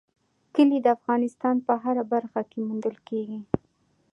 کلي د افغانستان په هره برخه کې موندل کېږي.